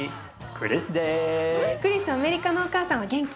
クリスアメリカのお母さんは元気？